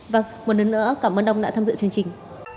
vâng một lần nữa cảm ơn ông đã tham dự chương trình